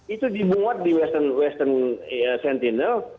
itu dimuat di western sentinel